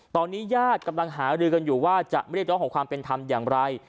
ตอนนี้ญาติกำลังหารือกันอยู่ว่าจะเรียกร้องของความเป็นธรรมอย่างไร